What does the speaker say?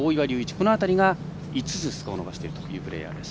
この辺りが５つスコアを伸ばしているプレーヤーです。